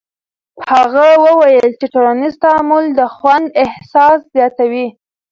هغه وویل چې ټولنیز تعامل د خوند احساس زیاتوي.